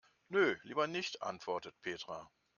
Nö, lieber nicht, antwortet Petra.